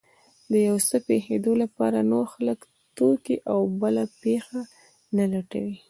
د يو څه پېښېدو لپاره نور خلک، توکي او بله پېښه نه لټوي.